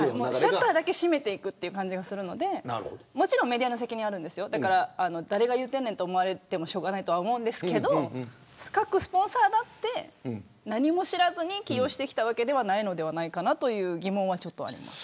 シャッターだけを閉めていく感じがするのでもちろんメディアの責任はあると思うんですけど誰が言ってんねんと思われてもしょうがないとは思うんですけど各スポンサーだって何も知らずに起用してきたわけではないのではないかという疑問はあります。